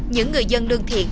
những người dân lương thiện